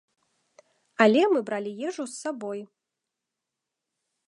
Але мы бралі ежу з сабой.